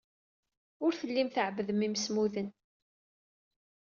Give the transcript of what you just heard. Ur tellim tɛebbdem imsemmuden.